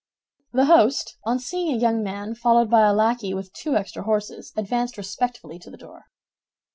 The host, on seeing a young man followed by a lackey with two extra horses, advanced respectfully to the door.